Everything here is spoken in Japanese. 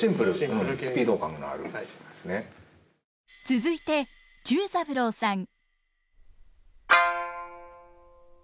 続いて忠三郎さん。